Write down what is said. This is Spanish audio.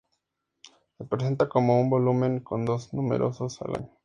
Se presenta como un volumen con dos números al año.